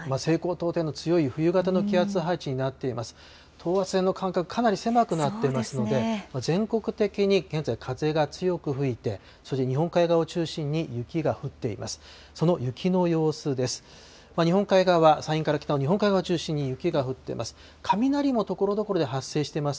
等圧線の間隔、かなり狭くなっていますので、全国的に現在、風が強く吹いて、そして日本海側を中心に雪が降っています。